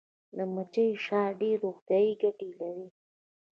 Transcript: د مچۍ شات ډیرې روغتیایي ګټې لري